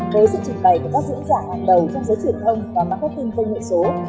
với sự trình bày của các diễn giả hàng đầu trong giới truyền thông và marketing công nghệ số